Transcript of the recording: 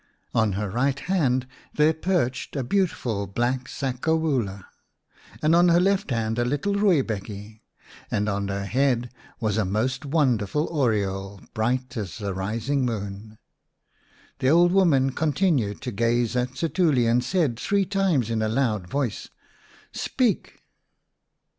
On her right hand there perched a beautiful black sakobula, on her left hand a little rooibekkie, and on her head was a most wonder ful oriole, bright as the rising moon. The old woman continued to gaze at Setuli, and said three times in a loud voice, " Speak